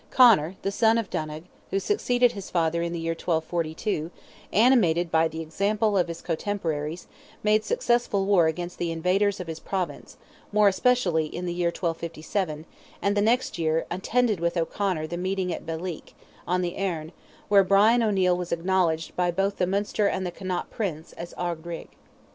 Conor, the son of Donogh, who succeeded his father in the year 1242, animated by the example of his cotemporaries, made successful war against the invaders of his Province, more especially in the year 1257, and the next year; attended with O'Conor the meeting at Beleek, on the Erne, where Brian O'Neil was acknowledged, by both the Munster and the Connaught Prince, as Ard Righ.